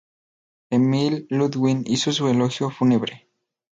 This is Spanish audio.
Emil Ludwig hizo su elogio fúnebre.